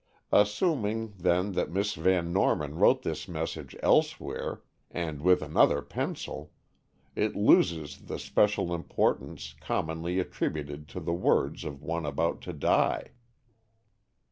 Assuming, then that Miss Van Norman wrote this message elsewhere, and with another pencil, it loses the special importance commonly attributed to the words of one about to die."